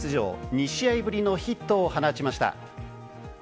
２試合ぶりのヒットを放ちました。